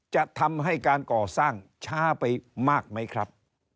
จะทำให้การก่อสร้างช้าไปมากไหมครับ